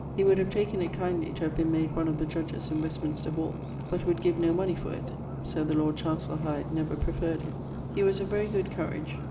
He would have taken it kindly to have been made one of the judges in Westminster Hall, but would give no money for it, [so the Lord Chancellor Hyde never preferred him]. He was of very good courage.